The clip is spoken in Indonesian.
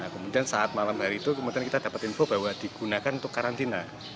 kemudian saat malam hari itu kemudian kita dapat info bahwa digunakan untuk karantina